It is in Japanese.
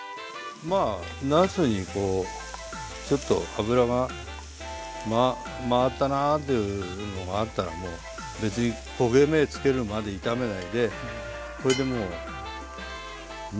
まあなすにこうちょっと油が回ったなっていうのがあったらもう別に焦げ目つけるまで炒めないでこれでもう煮ちゃえばいいんです。